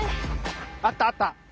あったあった。